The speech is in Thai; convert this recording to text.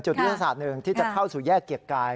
ยุทธศาสตร์หนึ่งที่จะเข้าสู่แยกเกียรติกาย